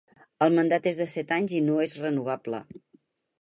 El mandat és de set anys i no és renovable.